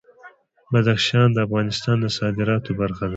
بدخشان د افغانستان د صادراتو برخه ده.